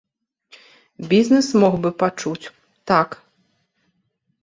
Бізнэс мог бы пачуць, так.